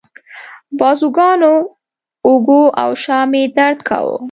بازوګانو، اوږو او شا مې درد کاوه.